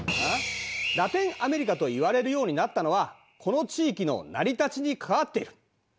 ラテンアメリカといわれるようになったのはこの地域の成り立ちに関わっている。